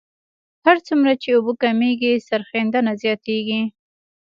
هر څومره چې اوبه کمیږي سریښېدنه زیاتیږي